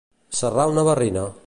Serrar una barrina.